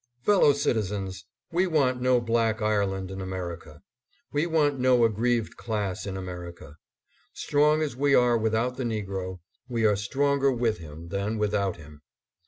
Fellow citizens ! We want no black Ireland in Amer ica. We want no aggrieved class in America. Strong as we are without the negro, we are stronger with him than without him.